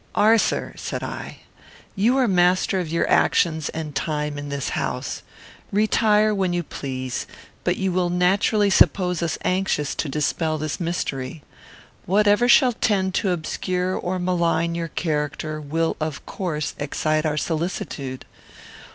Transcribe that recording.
"Arthur," said I, "you are master of your actions and time in this house. Retire when you please; but you will naturally suppose us anxious to dispel this mystery. Whatever shall tend to obscure or malign your character will of course excite our solicitude.